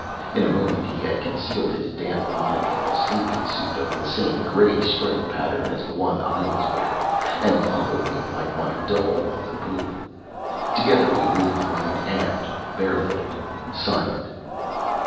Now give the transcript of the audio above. In a moment he had concealed his damp body in a sleeping suit of the same gray stripe pattern as the one I was wearing and followed me like my double on the poop. Together we moved right aft, barefooted, silent.